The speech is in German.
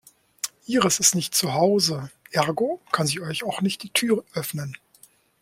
Iris ist nicht zu Hause, ergo kann sie euch auch nicht die Tür öffnen.